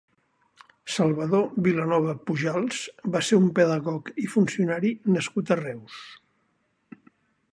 Salvador Vilanova Pujals va ser un pedagog i funcionari nascut a Reus.